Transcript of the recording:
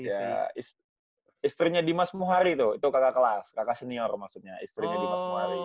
ya istrinya dimas muhari tuh itu kakak kelas kakak senior maksudnya istrinya dimas muhari